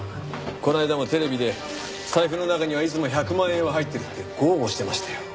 この間もテレビで「財布の中にはいつも１００万円は入ってる」って豪語してましたよ。